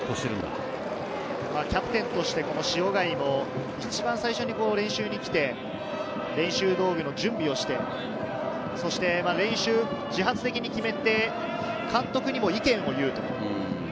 キャプテンとして塩貝も一番最初に練習に来て、練習道具の準備をして、自発的に決めて、監督にも意見を言うと。